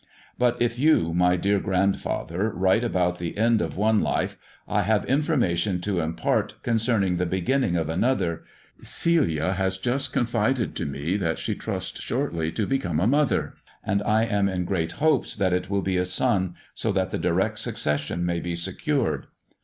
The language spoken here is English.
But if you, my dear grandfather, write about the end of one life, I have information to impart concerning the beginning of another. Celia haa just confided to me that she trusts shortly to become ft THE DWABF'S chamber 161 mother, and I am in great hopes that it will be a son, so that the direct succession may be secured.